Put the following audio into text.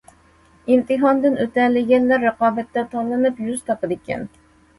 ئىمتىھاندىن ئۆتەلىگەنلەر رىقابەتتە تاللىنىپ، يۈز تاپىدىكەن.